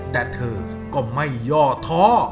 แต่เธอก็ไม่ย่อท้อ